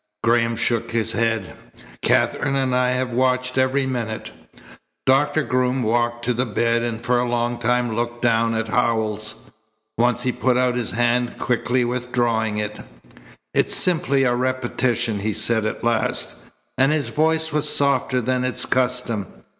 Graham shook his head. "Katherine and I have watched every minute." Doctor Groom walked to the bed and for a long time looked down at Howells. Once he put out his hand, quickly withdrawing it. "It's simply a repetition," he said at last, and his voice was softer than its custom.